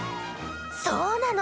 そうなの。